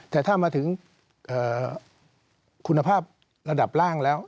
แต่ถ้ามาถึงคุณภาพระดับล่างแล้ว